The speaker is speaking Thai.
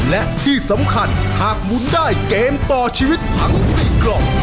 และที่สำคัญหากหมุนได้เกมต่อชีวิตทั้ง๔กล่อง